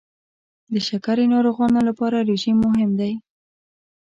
د شکرې ناروغانو لپاره رژیم مهم دی.